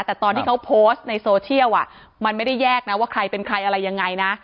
แต่ตอนที่เขาโพสต์ในโซเชียลมันไม่ได้แยกนะว่าใครเป็นใครอะไรยังไงนะ